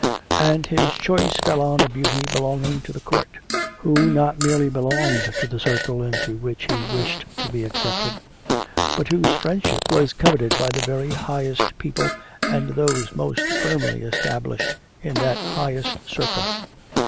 And his choice fell on a beauty belonging to the Court, who not merely belonged to the circle into which he wished to be accepted, but whose friendship was coveted by the very highest people and those most firmly established in that highest circle.